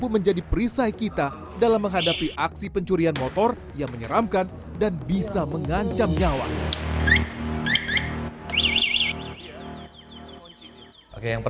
masih bisa ada cara untuk mencuri motor seperti itu